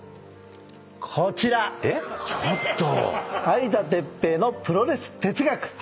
『有田哲平のプロレス哲学』